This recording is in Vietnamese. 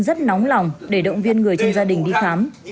rất nóng lòng để động viên người trong gia đình đi khám